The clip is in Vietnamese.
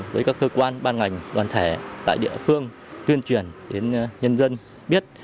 với các cơ quan ban ngành đoàn thể tại địa phương tuyên truyền đến nhân dân biết